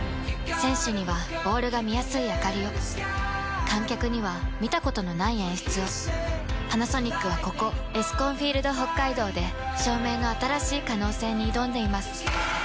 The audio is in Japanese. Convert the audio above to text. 選手にはボールが見やすいあかりを観客には見たことのない演出をパナソニックはここエスコンフィールドＨＯＫＫＡＩＤＯで照明の新しい可能性に挑んでいます